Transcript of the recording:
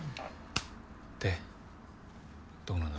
でどうなんだ？